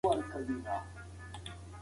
خو دا خطر نسبتاً کم وي.